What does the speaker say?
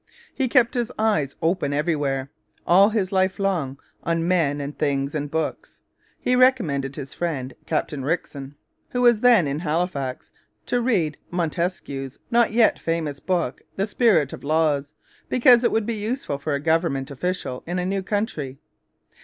He kept his eyes open everywhere, all his life long, on men and things and books. He recommended his friend. Captain Rickson, who was then in Halifax, to read Montesquieu's not yet famous book The Spirit of Laws, because it would be useful for a government official in a new country.